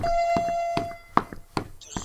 د پوهې په لټه کې اوسئ که څه هم په سختو لارو کې وي.